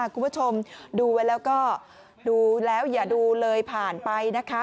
คุณผู้ชมดูไว้แล้วก็ดูแล้วอย่าดูเลยผ่านไปนะคะ